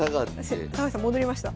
高橋さん戻りました。